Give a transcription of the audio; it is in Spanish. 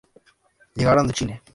Llegaron de Chile.